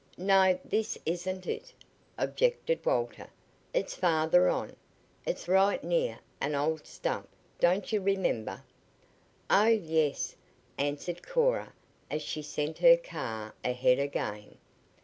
"No, this isn't it," objected Walter. "It's farther on. It's right near an old stump, don't you remember?" "Oh, yes," answered Cora as she sent her car ahead again.